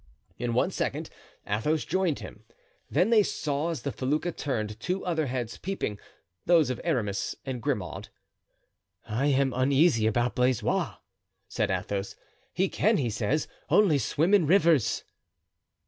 In one second Athos joined him. Then they saw, as the felucca turned, two other heads peeping, those of Aramis and Grimaud. "I am uneasy about Blaisois," said Athos; "he can, he says, only swim in rivers."